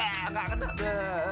ya makan lah